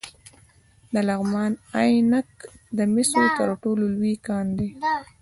د لغمان عينک د مسو تر ټولو لوی کان دی